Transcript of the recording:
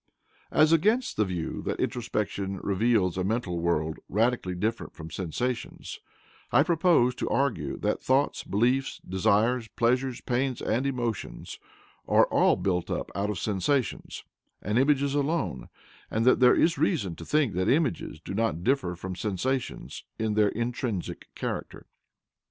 As against the view that introspection reveals a mental world radically different from sensations, I propose to argue that thoughts, beliefs, desires, pleasures, pains and emotions are all built up out of sensations and images alone, and that there is reason to think that images do not differ from sensations in their intrinsic character.